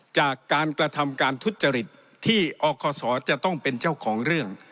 จากการกระทำการทุจริตที่อคศจะต้องเป็นเจ้าของเรื่อง